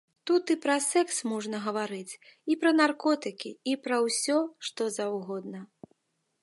Тут і пра секс можна гаварыць, і пра наркотыкі і пра ўсё, што заўгодна.